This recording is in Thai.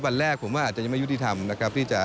วันแรกผมว่าอาจจะยังไม่ยุติธรรมนะครับที่จะ